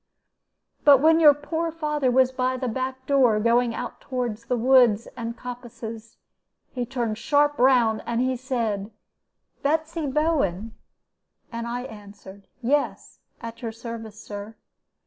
But when your poor father was by the back door, going out toward the woods and coppices, he turned sharp round, and he said, 'Betsy Bowen!' and I answered, 'Yes, at your service, Sir.'